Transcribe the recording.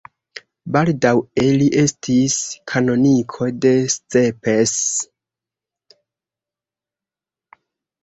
Baldaŭe li estis kanoniko de Szepes.